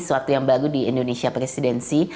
sesuatu yang baru di indonesia presidensi